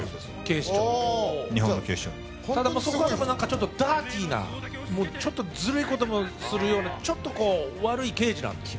警視庁の日本の警視庁のただそこはでもちょっとダーティなちょっとずるいこともするようなちょっとこう悪い刑事なんですよ